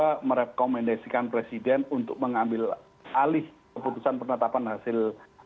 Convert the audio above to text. jadi ini memang bisa di rekomendasikan presiden untuk mengambil alih keputusan penetapan hasil